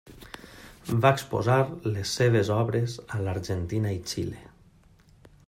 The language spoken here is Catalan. Va exposar les seves obres a l'Argentina i Xile.